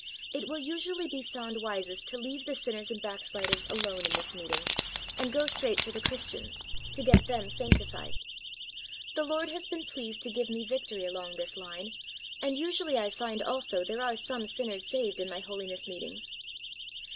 It will usually be found wisest to leave the sinners and backsliders alone in this meeting, and go straight for the Christians, to get them sanctified. The Lord has been pleased to give me victory along this line, and usually I find also there are some sinners saved in my holiness meetings.